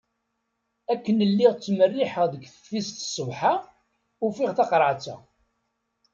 Akken lliɣ ttmerriḥeɣ deg teftist ṣṣbeḥ-a, ufiɣ taqerεet-a.